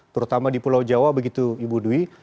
terutama di pulau jawa begitu ibu dwi